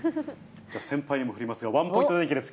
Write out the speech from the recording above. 先輩にも振りますよ、ワンポイント天気です。